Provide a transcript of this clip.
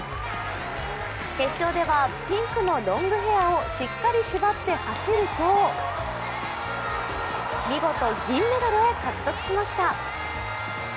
決勝ではピンクのロングヘアをしっかりと縛って走ると見事銀メダルを獲得しました。